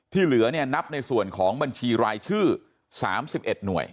เหลือเนี่ยนับในส่วนของบัญชีรายชื่อ๓๑หน่วย